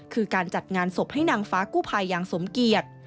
คือการจัดงานศพให้นางฟ้ากู้ภัยอย่างสมเกียจ